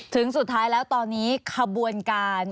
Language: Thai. สุดท้ายแล้วตอนนี้ขบวนการ